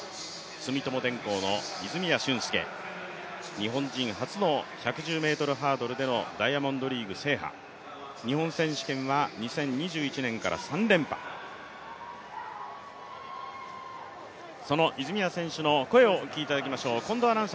住友電工の泉谷駿介、日本人初の１１０ｍハードルでのダイヤモンドリーグ制覇日本選手権は２０２１年から３連覇、その泉谷選手の声をお聞きいただきます。